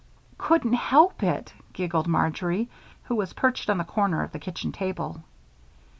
"Couldn't help it," giggled Marjory, who was perched on the corner of the kitchen table.